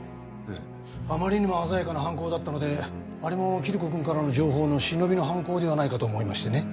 ええあまりにも鮮やかな犯行だったのであれもキリコ君からの情報のシノビの犯行ではないかと思いましてね